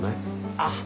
あっ